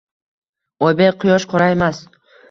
Oybek, Quyosh qoraymas